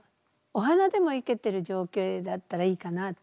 お花でも生けてる情景だったらいいかなと。